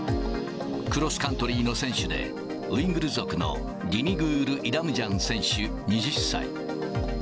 クロスカントリーの選手で、ウイグル族のディニグール・イラムジャン選手２０歳。